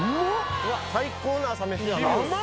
最高の朝飯やなあまっ！